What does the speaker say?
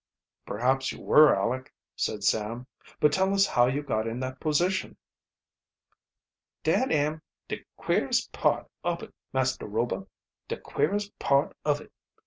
"Perhaps you were, Aleck," said Sam. "But tell us how you got in that position." "Dat am de queerest part ob it, Master Rober de queerest part of it.